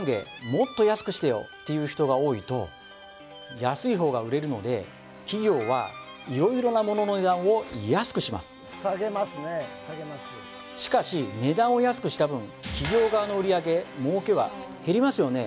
もっと安くしてよという人が多いと安い方が売れるので企業は色々なモノの値段を安くしますしかし値段を安くした分企業側の売上儲けは減りますよね